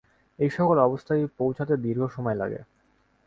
এই-সকল অবস্থায় পৌঁছিতে দীর্ঘ সময় লাগে।